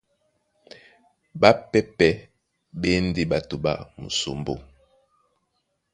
Ɓápɛ́pɛ̄ ɓá e ndé ɓato ɓá musombó.